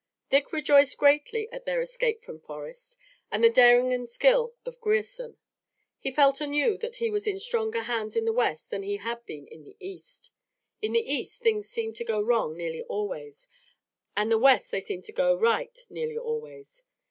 Dick rejoiced greatly at their escape from Forrest, and the daring and skill of Grierson. He felt anew that he was in stronger hands in the West than he had been in the East. In the East things seemed to go wrong nearly always, and the West they seemed to go right nearly always.